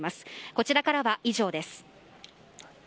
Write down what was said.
こちらからは以上です。